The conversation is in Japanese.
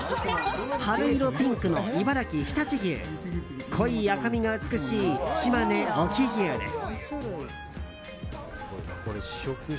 春色ピンクの茨城・常陸牛濃い赤身が美しい島根・隠岐牛です。